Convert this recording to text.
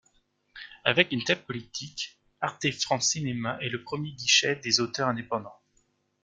Avec une telle politique, Arte France Cinéma est le premier guichet des auteurs indépendants.